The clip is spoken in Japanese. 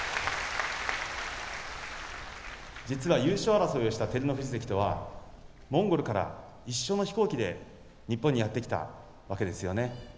実は優勝争いをした照ノ富士関とはモンゴルから一緒の飛行機で日本にやって来たわけですよね。